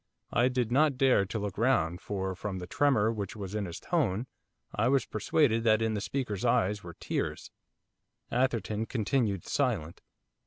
I did not dare to look round for, from the tremor which was in his tone, I was persuaded that in the speaker's eyes were tears. Atherton continued silent.